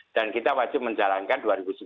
dan kita wajib menjalankan